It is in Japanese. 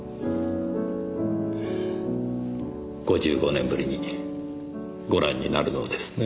５５年ぶりにご覧になるのですね？